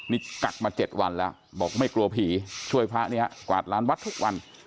นี่กัดมา๗วันแล้วบอกไม่กลัวผีช่วยพระเนี่ยฮะกวาดร้านวัดทุกวัน